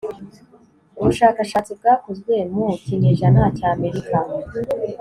ubushakashatsi bwakozwe mu kinyejana cya amerika